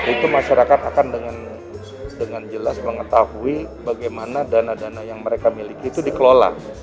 itu masyarakat akan dengan jelas mengetahui bagaimana dana dana yang mereka miliki itu dikelola